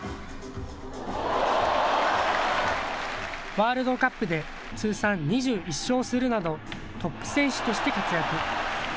ワールドカップで通算２１勝するなどトップ選手として活躍。